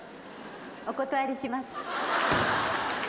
お断りします。